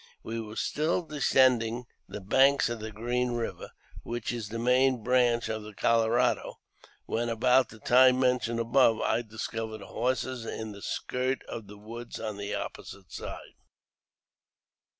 We were still descending the banks of the Green River, which is the main branch of the Colorado, when, about the time mentioned above, I discovered horses in the skirt of the woods on the opposite side.